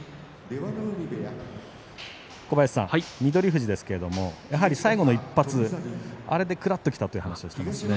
富士ですけれども最後の一発あれでくらっときたという話をしています。